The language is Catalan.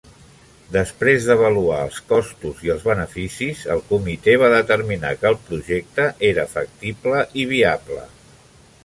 Després d'avaluar els costos i els beneficis, el comitè va determinar que el projecte era factible i viable.